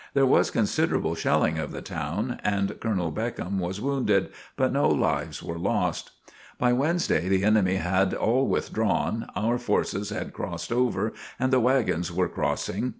There was considerable shelling of the town, and Colonel Beckham was wounded, but no lives were lost. By Wednesday the enemy had all withdrawn, our forces had crossed over and the wagons were crossing.